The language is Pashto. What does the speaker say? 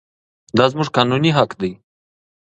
دا زموږ قانوني حق دی.